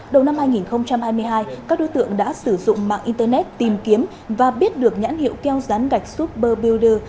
đầu năm hai nghìn hai mươi hai các đối tượng đã sử dụng mạng internet tìm kiếm và biết được nhãn hiệu keo rán gạch super builder